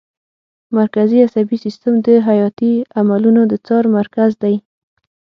مرکزي عصبي سیستم د حیاتي عملونو د څار مرکز دی